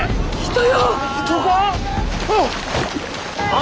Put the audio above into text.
あ。